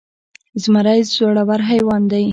زمری زړور حيوان دی.